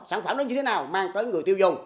sản phẩm đó như thế nào mang tới người tiêu dùng